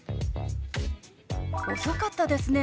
遅かったですね。